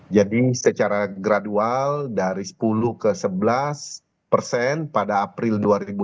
jadi secara gradual dari sepuluh ke sebelas persen pada april dua ribu dua puluh dua